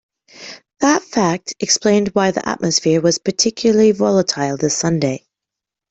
That fact explained why the atmosphere was particularly volatile this Sunday.